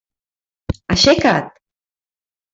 Aixeca't!